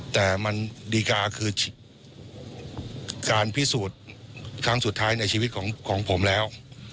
แต่มันดีกาคือการพิสูจน์ครั้งสุดท้ายในชีวิตของผมแล้ว